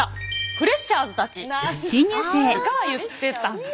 フレッシャーズたちが言ってたんです。